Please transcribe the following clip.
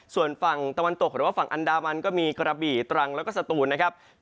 ส่วนฝั่งตะวันตกหรือว่าฝั่งอันดามันก็มีกระบี่ตรังแล้วก็สตูนนะครับ